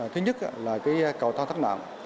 thứ nhất là cầu thang thắt nạn